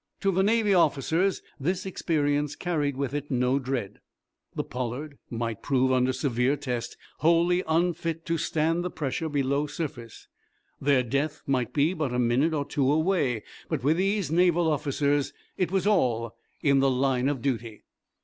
To the Navy officers this experience carried with it no dread. The "Pollard" might prove, under severe test, wholly unfit to stand the pressure below surface. Their death might be but a minute or two away, but with these Naval officers it was all in the line of duty.